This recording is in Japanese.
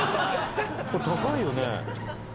これ高いよね。